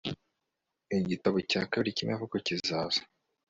igitabo cya kabiri cyimivugo kizaza